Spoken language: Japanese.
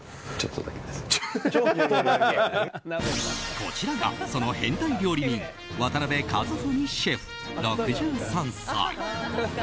こちらがその変態料理人渡辺一史シェフ、６３歳。